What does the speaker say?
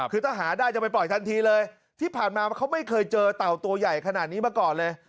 คือถ้าหาได้จะไปปล่อยทันทีเลยที่ผ่านมาเขาไม่เคยเจอเต่าตัวใหญ่ขนาดนี้มาก่อนเลย